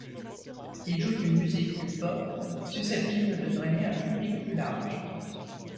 Ils jouent une musique plus pop, susceptible de drainer un public plus large.